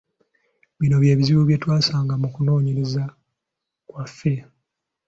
Bino bye bizibu bye twasanga mu kunoonyereza kwaffe.